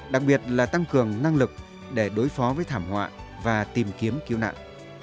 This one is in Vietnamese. đặc biệt là tăng cường năng lực để đối phó với thảm họa và tìm kiếm cứu nạn